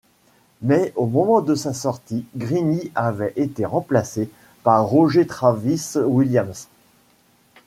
Mais au moment de sa sortie, Grinny avait été remplacé par Roger Travis Williams.